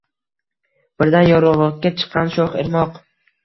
Birdan yorug’likka chiqqan sho’x irmoq.